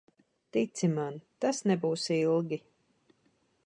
Tici man, tas nebūs ilgi.